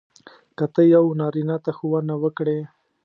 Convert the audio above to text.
که ته یو نارینه ته ښوونه وکړې.